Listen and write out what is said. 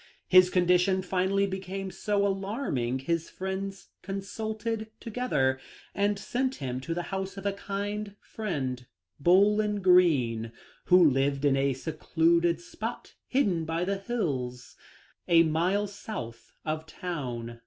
His condition finally became so alarming, his friends consulted together and sent him to the house of a kind friend, Bowlin Greene, who lived in a secluded spot hidden by the hills, a mile south of town.